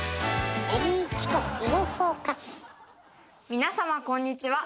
皆様こんにちは。